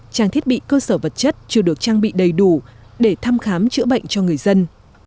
trang thiết bị cơ sở vật chất chưa được trang bị đầy đủ để thăm khám chữa bệnh cho người dân